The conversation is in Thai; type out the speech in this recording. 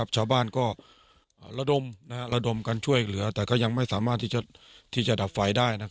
ชาวบ้านก็ระดมกันช่วยเหลือแต่ก็ยังไม่สามารถที่จะดับไฟได้